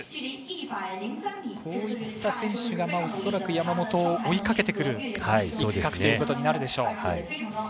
こういった選手が恐らく山本を追いかけていく一角となるでしょう。